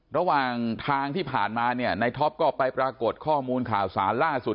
ระหว่างทางที่ผ่านมาเนี่ยในท็อปก็ไปปรากฏข้อมูลข่าวสารล่าสุด